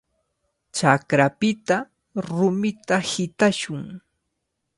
Chakrapita rumita hitashun.